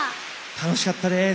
楽しかったです。